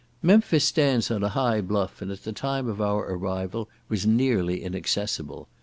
Memphis stands on a high bluff, and at the time of our arrival was nearly inaccessible.